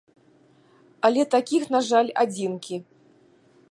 Але такіх, на жаль, адзінкі.